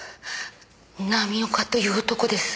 浪岡という男です。